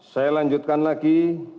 saya lanjutkan lagi